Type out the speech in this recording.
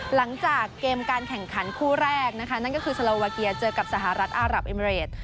หลังจากเกมการแข่งขันคู่แรกนะคะนั่นก็คือสโลวาเกียเจอกับสหรัฐอารับเอมเรด